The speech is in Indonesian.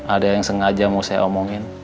ada yang sengaja mau saya omongin